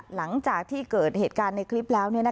หลังจากที่เกิดเหตุการณ์ในคลิปแล้ว